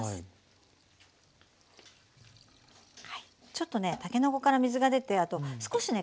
ちょっとねたけのこから水が出てあと少しね